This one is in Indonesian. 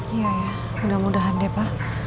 iya ya mudah mudahan deh pak